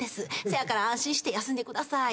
せやから安心して休んでください。